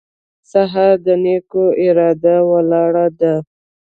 سهار د نیکو ارادو لاره ده.